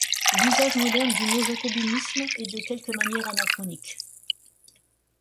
L'usage moderne du mot jacobinisme est de quelque manière anachronique.